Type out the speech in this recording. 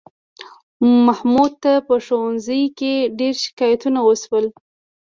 محمود ته په ښوونځي کې ډېر شکایتونه وشول